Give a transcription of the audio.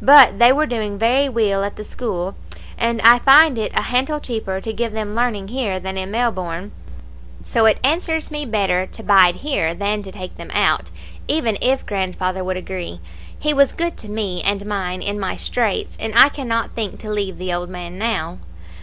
But they were doing very weel at the school, and I find it a hantle cheaper to give them learning here than in Melbourne; so it answers me better to bide here than to take them out, even if grandfather would agree. He was good to me and mine in my straits, and I cannot think to leave the old man now.